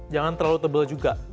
jangan terlalu tebel juga